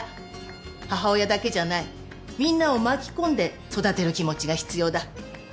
母親だけじゃないみんなを巻き込んで育てる気持ちが必要だ。